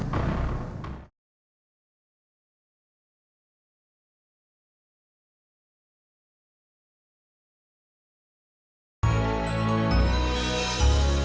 lama jangan gospodah